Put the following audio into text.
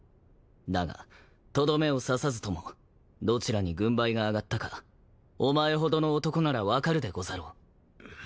だがとどめを刺さずともどちらに軍配が上がったかお前ほどの男なら分かるでござろう。